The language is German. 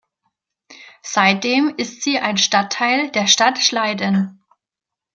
Seitdem ist sie ein Stadtteil der Stadt Schleiden.